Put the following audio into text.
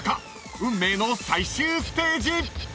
［運命の最終ステージ！］